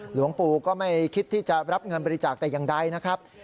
หลวงปู่ก็ไม่คิดที่จะรับเงินบริจาคแต่อย่างใดนะครับ